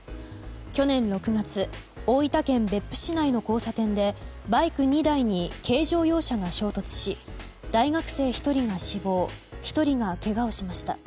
去年６月大分県別府市内の交差点でバイク２台に軽乗用車が衝突し大学生１人が死亡１人がけがをしました。